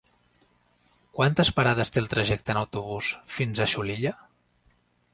Quantes parades té el trajecte en autobús fins a Xulilla?